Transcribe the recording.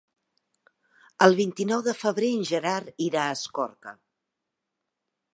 El vint-i-nou de febrer en Gerard irà a Escorca.